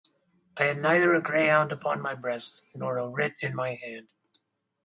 I had neither a greyhound upon my breast, nor a writ in my hand.